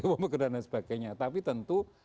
iwo pekewa dan sebagainya tapi tentu